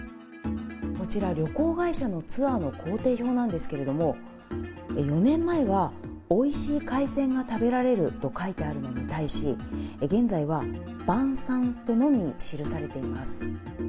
こちら、旅行会社のツアーの行程表なんですけれども、４年前は、おいしい海鮮が食べられると書いてあるのに対し、現在は晩餐とのみ記されています。